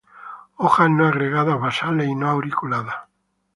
Hojas no agregadas basales y no auriculadas.